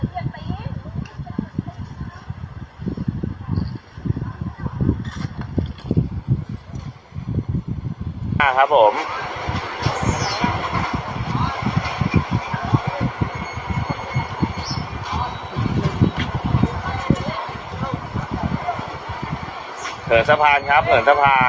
โปรดติดตามตอนต่อไป